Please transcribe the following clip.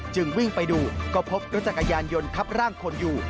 จึงวิ่งไปดูก็พบรถจักรยานยนต์ทับร่างคนอยู่